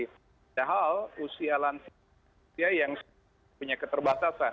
padahal usia lansia yang punya keterbatasan